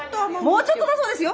もうちょっとだそうですよ。